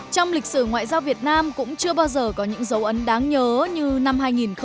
trong lịch sử ngoại giao việt nam cũng chưa bao giờ có những dấu ấn đáng nhớ như năm hai nghìn một mươi